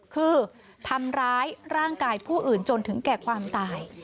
คือทำร้ายร่างกายผู้อื่นจนถึงแก่ความตาย